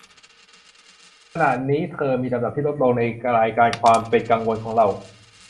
ขณะนี้เธอมีลำดับที่ลดลง ในรายการความเป็นกังวลของเรา